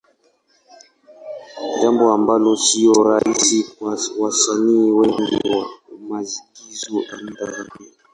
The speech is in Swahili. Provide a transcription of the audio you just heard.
Jambo ambalo sio rahisi kwa wasanii wengi wa maigizo wa Tanzania.